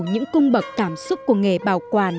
những cung bậc cảm xúc của nghề bảo quản